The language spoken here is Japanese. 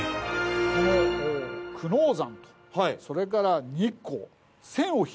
この久能山とそれから日光。